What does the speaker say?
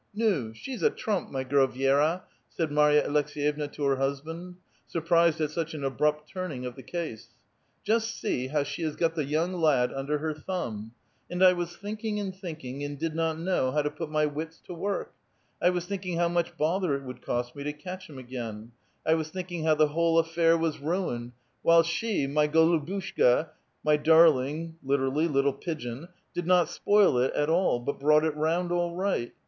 *' Na! she's a trump, my girl Vi6ra," said Marya Aleks^ yevna to her husband, surprised at such an abrupt turning of the case; "just see how she has got the \oung lad under her thumb. And I was thinking and thinking, and did not know how to put my wits to work ; 1 was thinking how much bother it would cost me to catch him again ; 1 was thinking how the whole affair was ruined, while she, my golvbushka 'my darling, literally, little pigeon], did not spoil it at all, )ut brought it round all right.